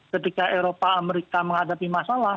ketika eropa amerika menghadapi masalah